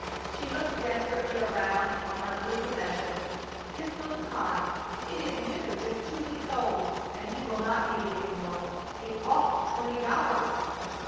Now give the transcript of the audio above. She looked desperately around on her little possessions. "This little cot! It is new just two weeks ago and he will not need it any more. It cost twenty dollars!"